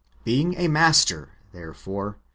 Being a Master, therefore.